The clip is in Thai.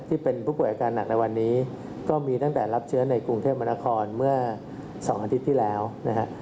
ที่เป็นผู้ป่วยอาการหนักในวันนี้ก็มีตั้งแต่รับเชื้อในกรุงเทพมนาคมเมื่อ๒อาทิตย์ที่แล้วนะฮะ